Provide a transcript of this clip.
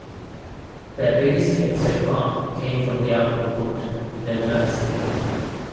Their biggest hit so far came from the album called "No Mercy".